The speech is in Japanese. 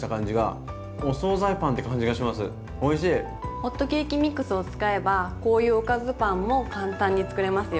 ホットケーキミックスを使えばこういうおかずパンも簡単に作れますよ。